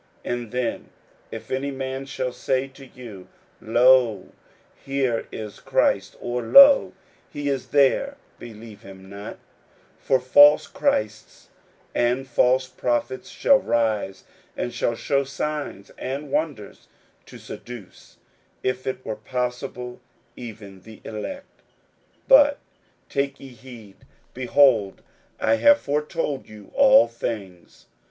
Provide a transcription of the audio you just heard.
41:013:021 And then if any man shall say to you, Lo, here is Christ; or, lo, he is there; believe him not: 41:013:022 For false Christs and false prophets shall rise, and shall shew signs and wonders, to seduce, if it were possible, even the elect. 41:013:023 But take ye heed: behold, I have foretold you all things.